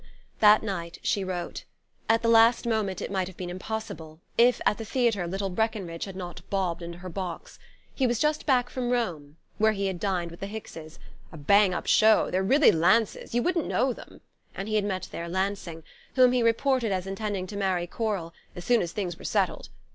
That night she wrote. At the last moment it might have been impossible, if at the theatre little Breckenridge had not bobbed into her box. He was just back from Rome, where he had dined with the Hickses ("a bang up show they're really lances you wouldn't know them!"), and had met there Lansing, whom he reported as intending to marry Coral "as soon as things were settled".